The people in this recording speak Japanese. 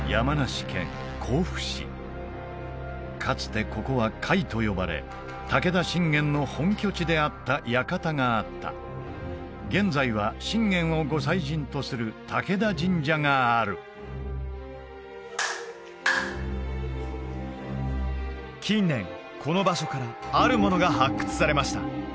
かつてここは甲斐と呼ばれ武田信玄の本拠地であった館があった現在は信玄をご祭神とする武田神社がある近年この場所からあるものが発掘されました